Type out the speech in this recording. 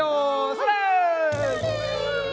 それ！